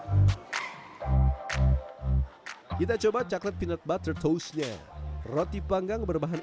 yang enak gitu menyegarkan kita coba coklat peanut butter tostnya roti panggang berbahan